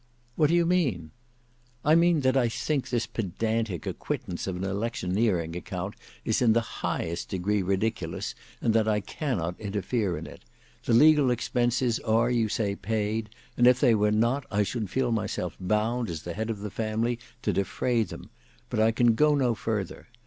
"What do you mean?" "I mean that I think this pedantic acquittance of an electioneering account is in the highest degree ridiculous, and that I cannot interfere in it. The legal expenses are you say paid; and if they were not, I should feel myself bound, as the head of the family, to defray them, but I can go no further.